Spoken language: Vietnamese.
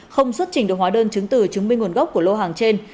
không xuất trình được hóa đơn chứng từ chứng minh nguồn gốc của lô hàng trên